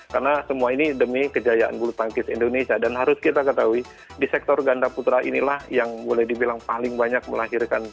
karena semua ini demi kejayaan bulut tangkis indonesia dan harus kita ketahui di sektor ganda putra inilah yang boleh dibilang paling banyak melahirkan gelar gelar juara